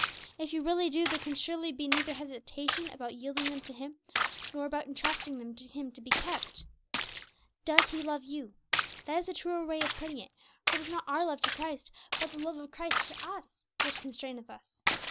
If you really do, there can surely be neither hesitation about yielding them to Him, nor about entrusting them to Him to be kept. Does He love you? That is the truer way of putting it; for it is not our love to Christ, but the love of Christ to us which constraineth us.